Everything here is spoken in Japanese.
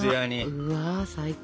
うわ最高。